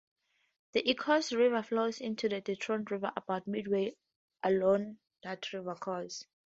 The Ecorse River flows into the Detroit River about midway along that river's course.